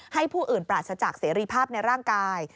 ผู้อื่นปราศจากเสรีภาพในร่างกาย